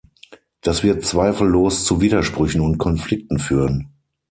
Das wird zweifellos zu Widersprüchen und Konflikten führen.